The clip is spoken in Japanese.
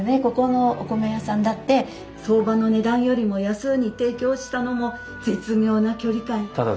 ここのお米屋さんだって相場の値段よりも安うに提供したのも絶妙な距離感。